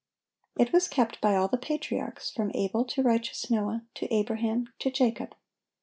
It was kept by all the patriarchs, from Abel to righteous Noah, to Abraham, to Jacob.